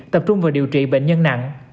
tập trung vào điều trị bệnh nhân nặng